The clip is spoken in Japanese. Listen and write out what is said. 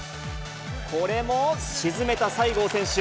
これも沈めた西郷選手。